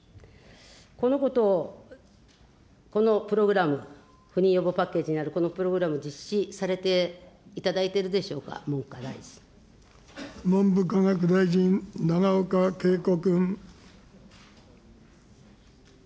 このことを、このプログラム、不妊予防パッケージなるこのプログラム、実施されていただいてい文部科学大臣、永岡桂子君。